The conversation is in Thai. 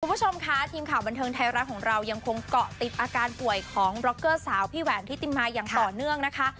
คุณผู้ชมค่ะทีมข่าวบันเทิงไทยรัฐของเรายังคงเกาะติดอาการป่วยของร็อกเกอร์สาวพี่แหวนทิติมาอย่างต่อเนื่องนะคะ